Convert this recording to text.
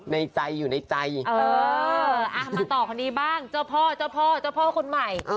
ในใจอยู่ในใจมาต่อคนนี้บ้างเจ้าพ่อเจ้าพ่อเจ้าพ่อคนใหม่